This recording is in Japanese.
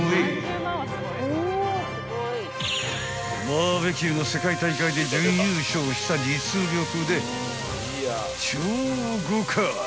［バーベキューの世界大会で準優勝した実力で超豪快！